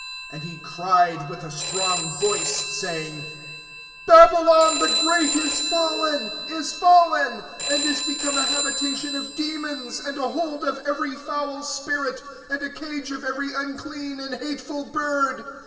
(2)And he cried with a strong voice, saying: Babylon the great is fallen, is fallen, and is become a habitation of demons, and a hold of every foul spirit, and a cage of every unclean and hateful bird.